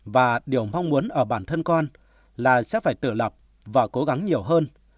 và điều mong muốn ở bản thân con là sẽ phải tự lập và cố gắng nhiều hơn